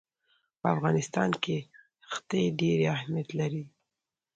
په افغانستان کې ښتې ډېر اهمیت لري.